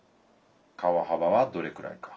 川幅はどれくらいか？」。